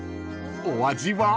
お味は？］